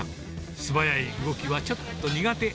素早い動きはちょっと苦手。